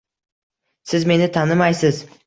Siz meni tanimaysiz